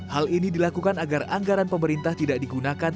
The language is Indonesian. hal ini dilakukan agar anggaran pemerintah tidak digunakan